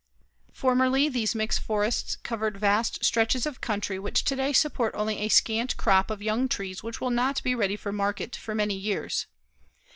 Formerly, these mixed forests covered vast stretches of country which today support only a scant crop of young trees which will not be ready for market for many years.